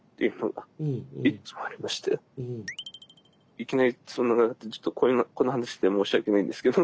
いきなりちょっとこんな話して申し訳ないんですけど。